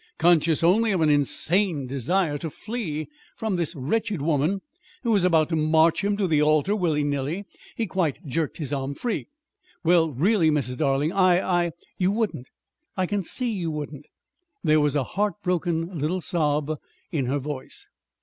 Conscious only of an insane desire to flee from this wretched woman who was about to march him to the altar willy nilly, he quite jerked his arm free. "Well, really, Mrs. Darling, I I " "You wouldn't, I can see you wouldn't!" There was a heartbroken little sob in her voice.